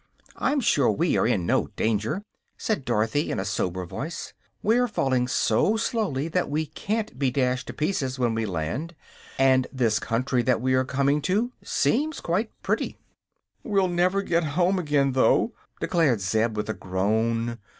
"I'm sure we are in no danger," said Dorothy, in a sober voice. "We are falling so slowly that we can't be dashed to pieces when we land, and this country that we are coming to seems quite pretty." "We'll never get home again, though!" declared Zeb, with a groan.